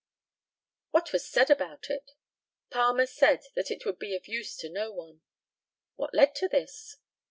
What was said about it? Palmer said that it would be of use to no one. What led to this?